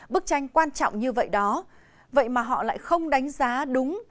bức tranh quan trọng như vậy đó vậy mà họ lại không đánh giá đúng